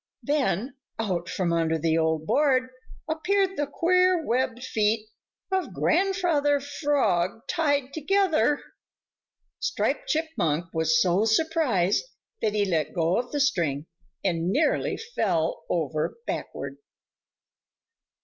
Then out from under the old board appeared the queer webbed feet of Grandfather Frog tied together. Striped Chipmunk was so surprised that he let go of the string and nearly fell over backward.